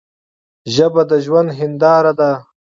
ژبه د ژوند هنداره ده.